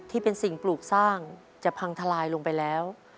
ที่เป็นสิ่งปลูกสร้างจะพังทลายลงไปแล้ว